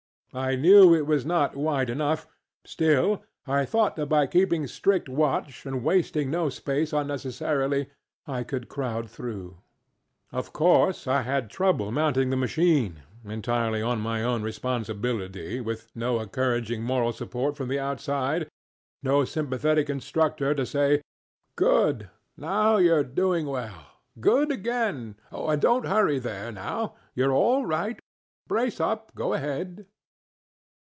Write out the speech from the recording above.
I knew it was not wide enough; still, I thought that by keeping strict watch and wasting no space unnecessarily I could crowd through. Of course I had trouble mounting the machine, entirely on my own responsibility, with no encouraging moral support from the outside, no sympathetic instructor to say, ŌĆ£Good! now youŌĆÖre doing wellŌĆögood againŌĆödonŌĆÖt hurryŌĆöthere, now, youŌĆÖre all rightŌĆöbrace up, go ahead.